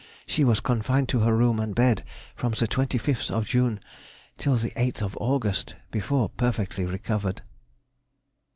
She was confined to her room and bed from the 25th of June till the 8th of August before perfectly recovered.